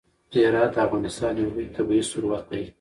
هرات د افغانستان یو لوی طبعي ثروت دی.